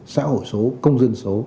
xã hội số công dân số